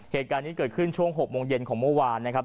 เหตุการณ์นี้เกิดขึ้นช่วง๖โมงเย็นของเมื่อวานนะครับ